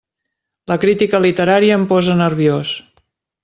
La crítica literària em posa nerviós!